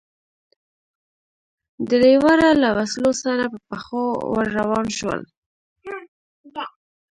درېواړه له وسلو سره په پښو ور روان شول.